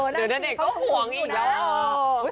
เดี๋ยวณเดชน์ก็ห่วงอีกแล้ว